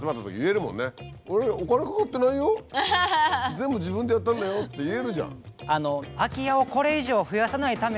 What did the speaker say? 全部自分でやったんだよ」って言えるじゃん。